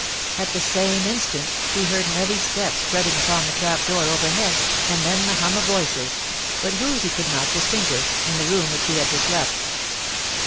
At the same instant he heard heavy steps treading upon the trap door overhead, and then the hum of voices—but whose he could not distinguish—in the room which he had just left.